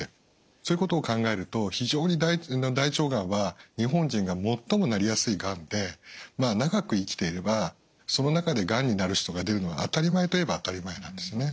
そういうことを考えると非常に大腸がんは日本人が最もなりやすいがんで長く生きていればその中でがんになる人が出るのは当たり前といえば当たり前なんですね。